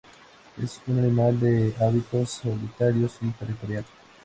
Es un animal de hábitos solitarios y territorial.